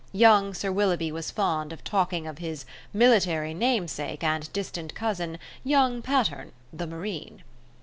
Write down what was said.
Young Sir Willoughby was fond of talking of his "military namesake and distant cousin, young Patterne the Marine".